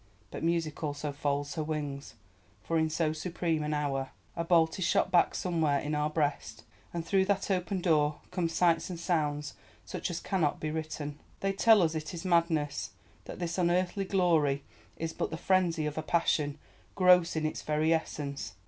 But music also folds her wings. For in so supreme an hour "A bolt is shot back somewhere in our breast," and through that opened door come sights and sounds such as cannot be written. They tell us it is madness, that this unearthly glory is but the frenzy of a passion gross in its very essence.